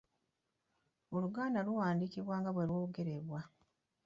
Oluganda luwandiikibwa nga bwe lwogerebwa.